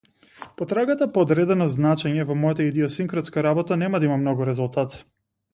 Потрагата по одредено значење во мојата идиосинкратска работа нема да има многу резултат.